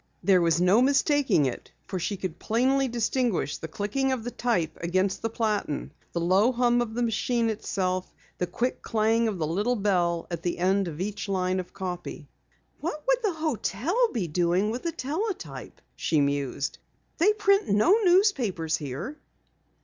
There was no mistaking it, for she could plainly distinguish the clicking of the type against the platen, the low hum of the machine itself, the quick clang of the little bell at the end of each line of copy. "What would the hotel be doing with a teletype?" she mused. "They print no newspapers here."